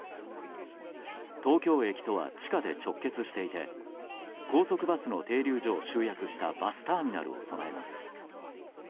東京駅とは地下で直結していて高速バスの停留所を集約したバスターミナルを備えます。